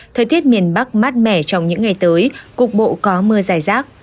thời tiết miền bắc mát mẻ trong những ngày tới cục bộ có mưa dài rác